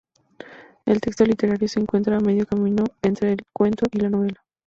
El texto literario se encuentra a medio camino entre el cuento y la novela.